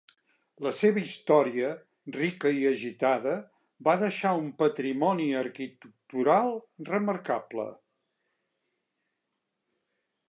La seva història, rica i agitada, va deixar un patrimoni arquitectural remarcable.